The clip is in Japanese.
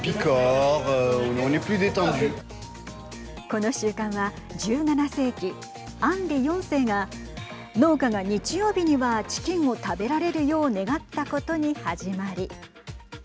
この習慣は、１７世紀アンリ４世が農家が日曜日にはチキンを食べられるよう願ったことに始まり。